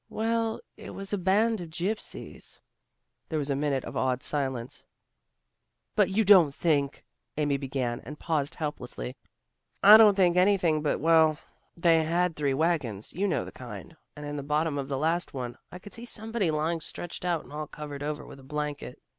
"Well, it was a band of gypsies." There was a minute of awed silence. "But you don't think " Amy began, and paused helplessly. "I don't think anything but well, they had three wagons you know the kind and in the bottom of the last one, I could see somebody lying stretched out and all covered over with a blanket.